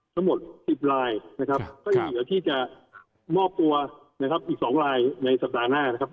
สมมติ๑๐ลายนะครับก็อีกหนึ่งอีก๒ลายในสัปดาห์หน้านะครับ